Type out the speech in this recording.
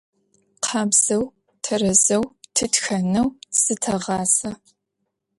Къабзэу, тэрэзэу тытхэнэу зытэгъасэ.